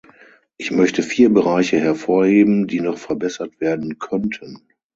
Ich möchte vier Bereiche hervorheben, die noch verbessert werden könnten.